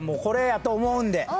これやと思うんで。